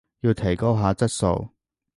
要提高下質素